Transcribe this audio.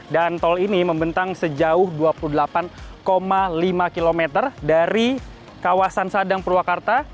dan tol ini membentang sejauh dua puluh delapan lima kilometer dari kawasan sadang purwakarta